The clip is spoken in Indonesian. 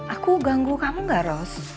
aku ganggu kamu gak ros